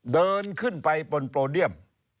เดินขึ้นไปบนโปรเดียม